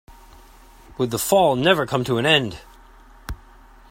Would the fall never come to an end!